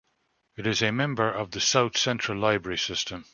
It is a member of the South Central Library System.